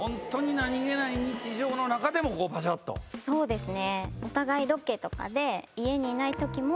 そうですね。